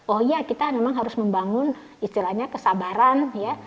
oh ya kita memang harus membangun istilahnya kesabaran